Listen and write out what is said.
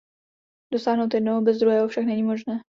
Dosáhnout jednoho bez druhého však není možné.